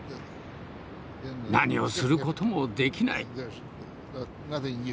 何をする事もできない。